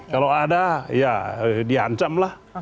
kalau ada ya di ancamlah